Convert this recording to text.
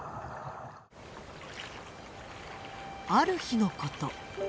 ある日のこと。